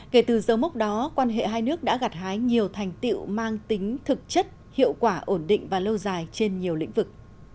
kể từ dấu mốc đó quan hệ hai nước đã gạt hái nhiều thành tiệu mang tính thực chất hiệu quả ổn định và lâu dài trên nhiều lĩnh vực